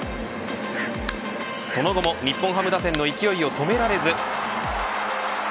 その後も日本ハム打線の勢いを止められず。